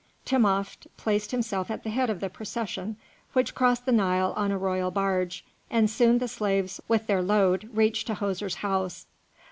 Timopht placed himself at the head of the procession, which crossed the Nile on a royal barge, and soon the slaves with their load reached Tahoser's house.